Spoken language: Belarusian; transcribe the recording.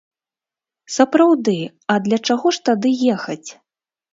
Сапраўды, а для чаго ж тады ехаць?